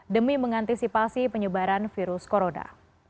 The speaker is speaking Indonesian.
demi mengantisipasi penyebaran virus corona